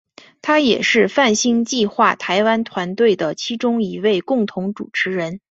他也是泛星计画台湾团队的其中一位共同主持人。